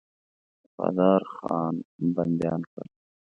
وفادارخان بنديان کړل.